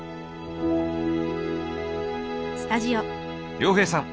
亮平さん。